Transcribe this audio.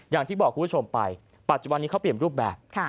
อย่างที่บอกคุณผู้ชมไปปัจจุบันนี้เขาเปลี่ยนรูปแบบ